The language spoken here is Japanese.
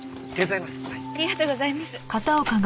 ありがとうございます。